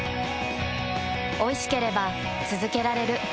おいしければつづけられる。